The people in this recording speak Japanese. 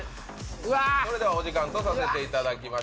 それではお時間とさせていただきましょう。